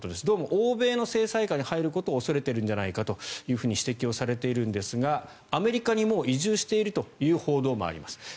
どうも欧米の制裁下に入ることを恐れているんじゃないかと指摘をされているんですがアメリカにもう移住しているという報道もあります。